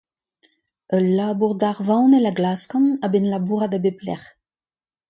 Ul labour darvanel a glaskan a-benn labourat a bep lec'h.